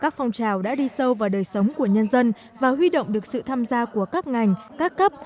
các phong trào đã đi sâu vào đời sống của nhân dân và huy động được sự tham gia của các ngành các cấp